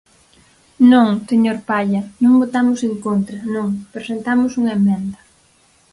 Non, señor Palla, non votamos en contra, non, presentamos unha emenda.